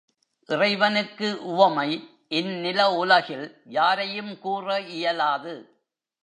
இறைவனுக்கு உவமை இந் நிலஉலகில் யாரையும் கூற இயலாது.